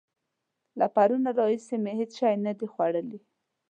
له پرونه راهسې مې هېڅ شی نه دي خوړلي.